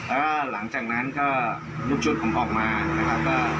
แล้วหลังจากนั้นก็ลูกชุดผมออกมานะครับ